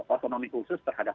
otonomi khusus terhadap